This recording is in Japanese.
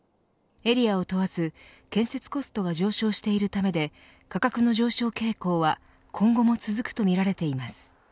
エリアを問わず建設コストが上昇しているためで価格の上昇傾向は今後も続くとみられています。